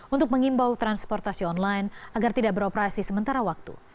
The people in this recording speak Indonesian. untuk mengimbau transportasi online agar tidak beroperasi sementara waktu